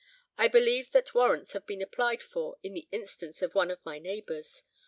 I believe that warrants have been applied for at the instance of one of my neighbours.